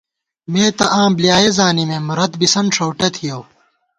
مے تہ آں بۡلیایَہ زانِمېم رت بِسَن ݭؤٹہ تھِیَؤ